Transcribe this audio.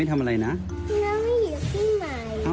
เดมมี่หยิกพี่ใหม่